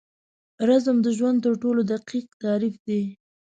رزم د ژوند تر ټولو دقیق تعریف دی.